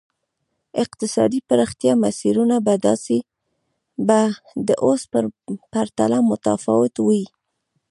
اقتصادي پراختیا مسیرونه به د اوس په پرتله متفاوت وای.